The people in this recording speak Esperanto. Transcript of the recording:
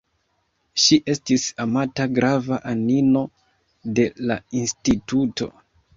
Ŝi estis amata grava anino de la instituto.